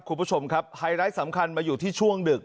คุณผู้ชมครับไฮไลท์สำคัญมาอยู่ที่ช่วงดึก